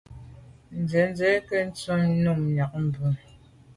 Ntsenyà nke ntum num miag mube.